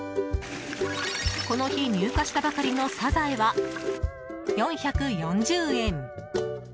この日、入荷したばかりのサザエは４４０円。